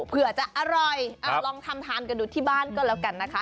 เผื่อจะอร่อยลองทำทานกันดูที่บ้านก็แล้วกันนะคะ